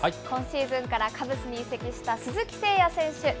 今シーズンからカブスに移籍した鈴木誠也選手。